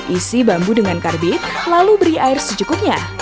isi bambu dengan karbit lalu beri air secukupnya